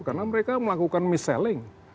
karena mereka melakukan mis selling